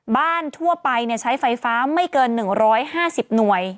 ทั่วไปใช้ไฟฟ้าไม่เกิน๑๕๐หน่วย